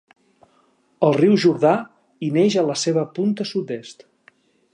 El riu Jordà hi neix a la seva punta sud-est.